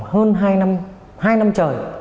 hơn hai năm trời